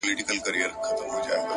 د ارادې دوام ناممکن ممکن کوي،